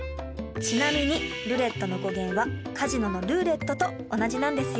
ちなみにルレットの語源はカジノのルーレットと同じなんですよ